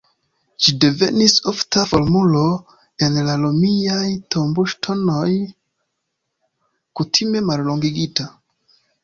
Ĝi devenis ofta formulo en la romiaj tomboŝtonoj, kutime mallongigita.